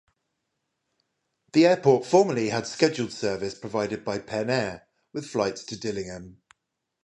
The airport formerly had scheduled service provided by PenAir with flights to Dillingham.